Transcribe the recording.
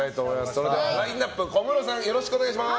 それではラインアップ小室さんお願いします。